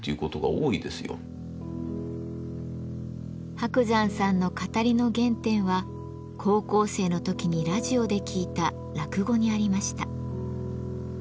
伯山さんの語りの原点は高校生の時にラジオで聞いた落語にありました。